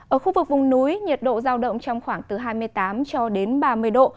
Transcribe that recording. ở khu vực vùng núi nhiệt độ giao động trong khoảng từ hai mươi tám cho đến ba mươi độ